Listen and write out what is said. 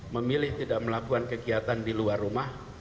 memilih tidak melakukan kegiatan di luar rumah